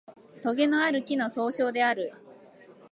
とげのある木の総称である